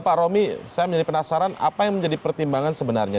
pak romi saya menjadi penasaran apa yang menjadi pertimbangan sebenarnya